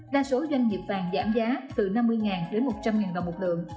đa số doanh nghiệp vàng giảm giá từ năm mươi đến một trăm linh đồng một lượng